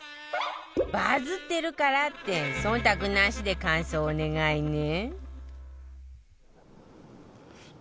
バズってるからって忖度なしで感想お願いね